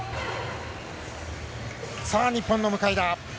日本の向田。